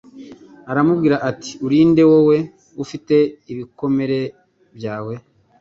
aramubwira ati Uri nde wowe ufite ibikomere byawe